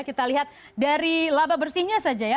kita lihat dari laba bersihnya saja ya